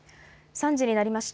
３時になりました。